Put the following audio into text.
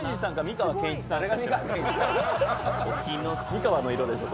美川の色でしょ？